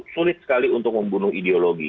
sulit sekali untuk membunuh ideologi